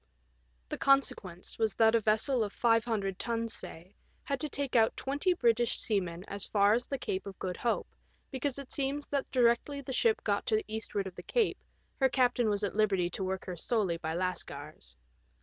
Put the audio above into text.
The con sequence was that a vessel of 500 tons, say, had to take out twenty British seamen as far as the Cape of Good Hope, because it seems that directly the ship got to the eastward of the Cape her captain was at liberty to work her solely by Lascars.